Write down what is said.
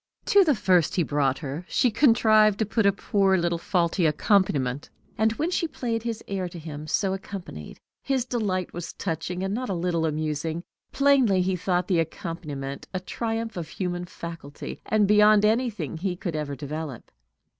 To the first he brought her she contrived to put a poor little faulty accompaniment; and when she played his air to him so accompanied, his delight was touching, and not a little amusing. Plainly he thought the accompaniment a triumph of human faculty, and beyond anything he could ever develop.